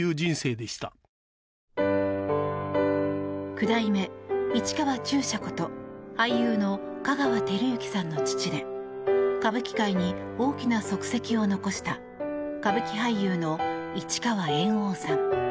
九代目市川中車こと俳優の香川照之さんの父で歌舞伎界に大きな足跡を残した歌舞伎俳優の市川猿翁さん。